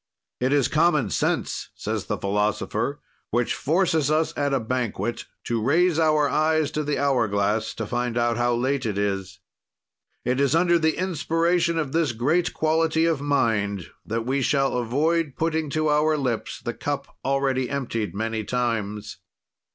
"It is common sense," says the philosopher, "which forces us at a banquet to raise our eyes to the hour glass to find out how late it is. "It is under the inspiration of this great quality of mind that we shall avoid putting to our lips the cup already emptied many times.